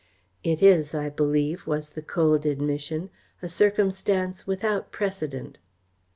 "It is, I believe," was the cold admission, "a circumstance without precedent."